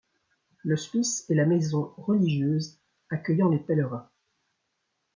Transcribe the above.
L’hospice est la maison religieuse accueillant les pèlerins.